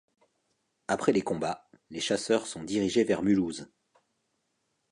Après les combats, les chasseurs sont dirigés vers Mulhouse.